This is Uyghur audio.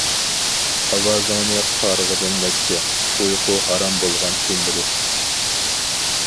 ئاۋازىڭنى قارغىدىم نەچچە، ئۇيقۇ ھارام بولغان تۈنلىرى.